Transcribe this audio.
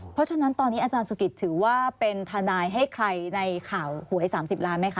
เพราะฉะนั้นตอนนี้อาจารย์สุกิตถือว่าเป็นทนายให้ใครในข่าวหวย๓๐ล้านไหมคะ